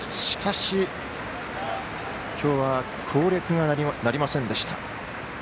しかし、きょうは攻略がなりませんでした。